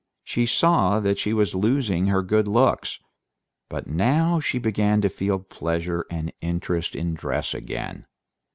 She saw that she was losing her good looks. But now she began to feel pleasure and interest in dress again.